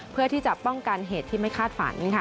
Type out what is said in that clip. เพื่อที่จะป้องกันเหตุที่ไม่คาดฝัน